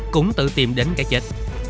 cũng tự tìm đến cái chết